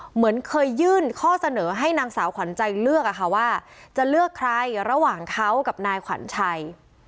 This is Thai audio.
เหมือนเคยยื่นข้อเสนอให้นางสาวขวัญใจเลือกอะค่ะว่าจะเลือกใครระหว่างเขากับนายขวัญชัย